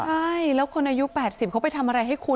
ใช่แล้วคนอายุ๘๐เขาไปทำอะไรให้คุณ